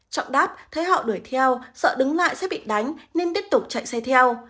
trọng đáp thấy họ đuổi theo sợ đứng lại sẽ bị đánh nên tiếp tục chạy xe theo